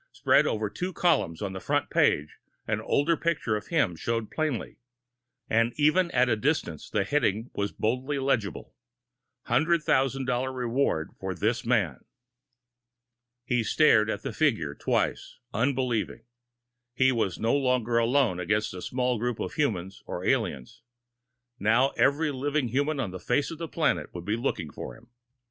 Spread over two columns on the front page, an older picture of him showed plainly. And even at the distance, the heading was boldly legible. $100,000 REWARD FOR THIS MAN! He stared at the figure twice, unbelieving. He was no longer alone against a small group of humans or aliens. Now every living human on the face of the planet would be looking for him!